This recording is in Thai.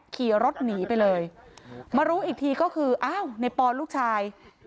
ขี่รถหนีไปเลยมารู้อีกทีก็คืออ้าวในปอนลูกชาย